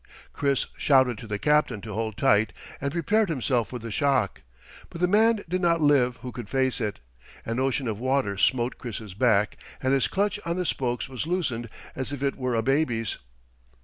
Chris shouted to the captain to hold tight, and prepared himself for the shock. But the man did not live who could face it. An ocean of water smote Chris's back and his clutch on the spokes was loosened as if it were a baby's.